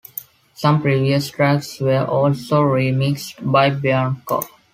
Some previous tracks were also remixed by Bianco.